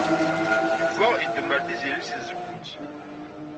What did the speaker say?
Yuba idemmer Tiziri seg tzewwut.